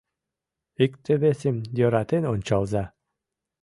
Икте-весым йӧратен ончалза!..